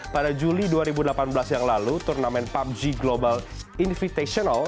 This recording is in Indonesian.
pada juli dua ribu delapan belas yang lalu turnamen pubg global invitational